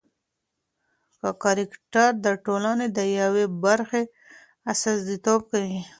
هر کرکټر د ټولنې د یوې برخې استازیتوب کوي.